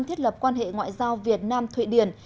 thiết lập quan hệ ngoại giao việt nam thụy điển